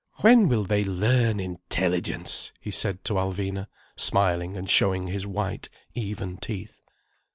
"When will they learn intelligence?" he said to Alvina, smiling and showing his white, even teeth.